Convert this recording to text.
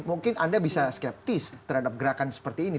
mungkin anda bisa skeptis terhadap gerakan seperti ini